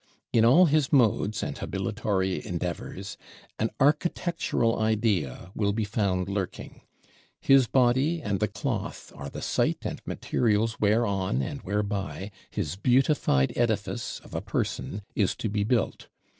In all his Modes, and habilatory endeavors, an Architectural Idea will be found lurking; his Body and the Cloth are the site and materials whereon and whereby his beautified edifice, of a Person, is to be built.